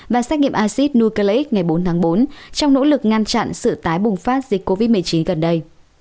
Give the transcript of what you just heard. và xét nghiệm acid nucleic ngày bốn tháng bốn trong nỗ lực ngăn chặn sự tái bùng phát dịch covid một mươi chín gần đây